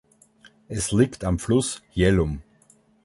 Es liegt am Fluss Jhelum.